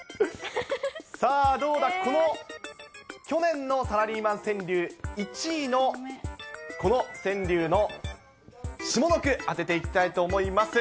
さあ、どうだ、去年のサラリーマン川柳１位のこの川柳の下の句、当てていきたいと思います。